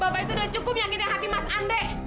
bapak itu udah cukup nyangkitan hati mas andre